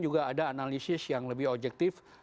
juga ada analisis yang lebih objektif